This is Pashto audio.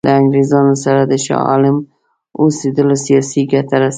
له انګرېزانو سره د شاه عالم اوسېدلو سیاسي ګټه رسوله.